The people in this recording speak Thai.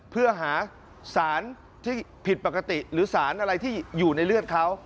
เพื่อหาสารที่ผิดปกติหรือสารอะไรที่อยู่ในเลือดเขา